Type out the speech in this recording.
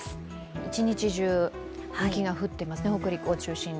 一日中、雪が降っていますね、北陸を中心に。